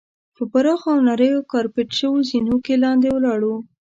په پراخو او نریو کارپیټ شوو زینو کې لاندې ولاړو.